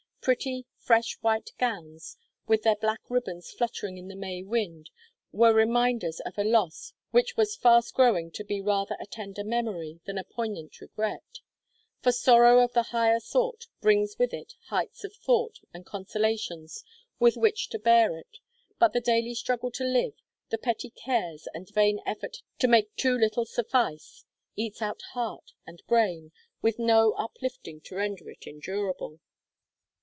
Pretty, fresh white gowns, with their black ribbons fluttered by the May wind, were reminders of a loss which was fast growing to be rather a tender memory than a poignant regret. For sorrow of the higher sort brings with it heights of thought and consolations with which to bear it, but the daily struggle to live, the petty cares and vain effort to make too little suffice, eats out heart and brain, with no uplifting to render it endurable.